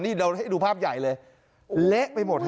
นี่เราให้ดูภาพใหญ่เลยเละไปหมดเลย